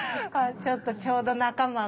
ちょっとちょうど仲間が。